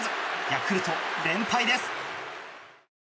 ヤクルト、連敗です。